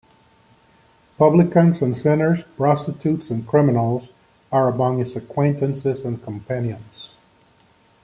Publicans and sinners, prostitutes and criminals are among his acquaintances and companions.